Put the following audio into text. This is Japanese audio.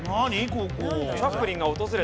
ここ。